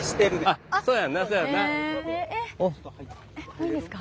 いいんですか？